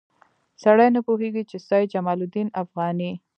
سړی نه پوهېږي چې سید جمال الدین افغاني.